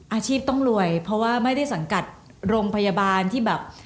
อาชีพต้องรวยเพราะว่าไม่ได้สังกัดโรงพยาบาลที่แบบ